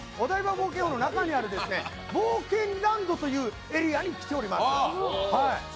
冒険王の中にある冒険ランドというエリアに来ております。